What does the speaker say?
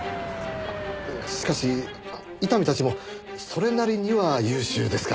しかし伊丹たちもそれなりには優秀ですから。